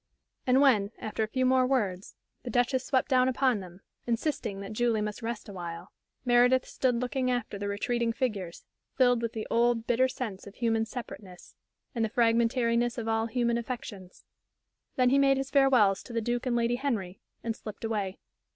And when, after a few more words, the Duchess swept down upon them, insisting that Julie must rest awhile, Meredith stood looking after the retreating figures, filled with the old, bitter sense of human separateness, and the fragmentariness of all human affections. Then he made his farewells to the Duke and Lady Henry, and slipped away.